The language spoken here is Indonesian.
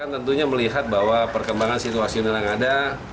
tentunya melihat bahwa perkembangan situasional yang ada